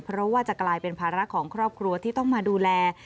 เพราะว่าจะกลายเป็นภาระของครอบครัวที่ต้องมาดูแล